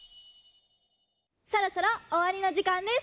そろそろおわりのじかんです！